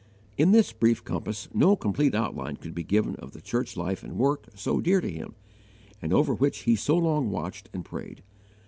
In this brief compass no complete outline could be given of the church life and work so dear to him, and over which he so long watched and prayed.